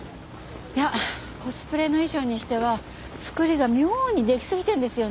いやコスプレの衣装にしては作りが妙にできすぎてるんですよねえ。